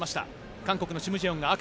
韓国のシム・ジェヨンが赤。